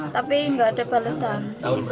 tapi gak ada balasan